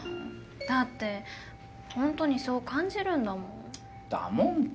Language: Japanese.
だってホントにそう感じるんだもん。